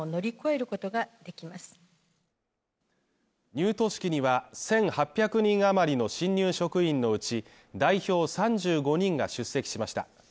入都式には１８００人余りの新入職員のうち、代表３５人が出席しました。